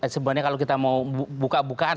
sebenarnya kalau kita mau buka bukaan